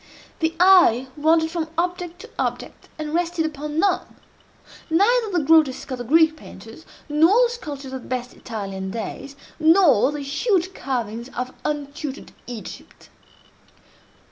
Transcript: The eye wandered from object to object, and rested upon none—neither the grotesques of the Greek painters, nor the sculptures of the best Italian days, nor the huge carvings of untutored Egypt.